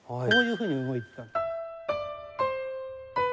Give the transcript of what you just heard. こういうふうに動いてた。